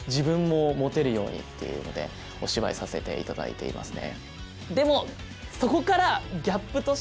いうのでお芝居させて頂いていますね。